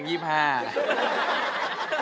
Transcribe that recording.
เนี่ยก็นี่ยัง๒๕